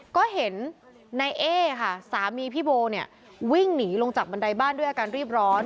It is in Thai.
ก็เห็นนายเอ๊ค่ะสามีพี่โบเนี่ยวิ่งหนีลงจากบันไดบ้านด้วยอาการรีบร้อน